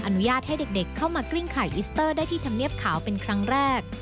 อนุญาตให้เด็กเข้ามากลิ้งไข่อิสเตอร์ได้ที่ธรรมเนียบขาวเป็นครั้งแรก